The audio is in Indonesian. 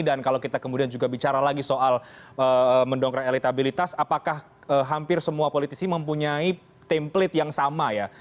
dan kalau kita kemudian juga bicara lagi soal mendongkrak elektabilitas apakah hampir semua politisi mempunyai template yang sama ya